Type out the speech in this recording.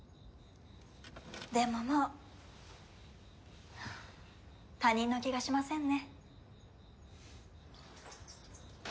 でももう他人の気がしませんね。